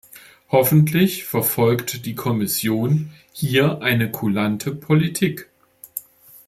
Hoffentlich verfolgt die Kommission hier eine kulante Politik.